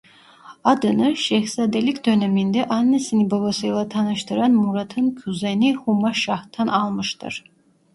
Adını şehzadelik döneminde annesini babasıyla tanıştıran Murat'ın kuzeni Hümaşah'tan almıştır.